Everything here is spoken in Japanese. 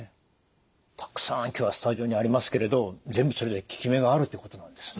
たくさん今日はスタジオにありますけれど全部それぞれ効き目があるということなんですね。